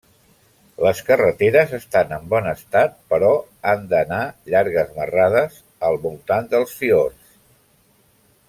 Les carreteres estan en bon estat, però han d'anar llargues marrades al voltant dels fiords.